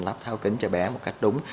lắp tháo kính cho bé một cách đúng